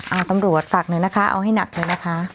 เอาตำรวจฝากหน่อยนะคะเอาให้หนักเลยนะคะ